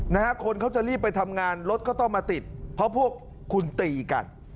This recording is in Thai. นะฮะคนเขาจะรีบไปทำงานรถก็ต้องมาติดเพราะพวกคุณตีกัน